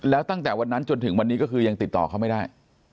แล้วตั้งแต่วันนั้นจนถึงวันนี้ก็คือยังติดต่อเขาไม่ได้